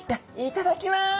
いただきます！